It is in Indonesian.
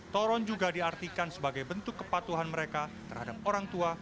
toron juga diartikan sebagai bentuk kepatuhan mereka terhadap orang tua